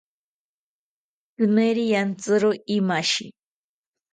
Tzimeri rantizro imashi